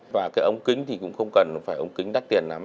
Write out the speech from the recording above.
và cái ống kính thì cũng không cần phải ống kính đắt tiền lắm